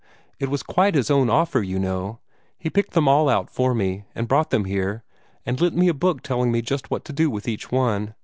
It was quite his own offer, you know. He picked them all out for me, and brought them here, and lent me a book telling me just what to do with each one.